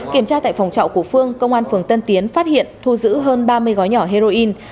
kiểm tra tại phòng trọ của phương công an phường tân tiến phát hiện thu giữ hơn ba mươi gói nhỏ heroin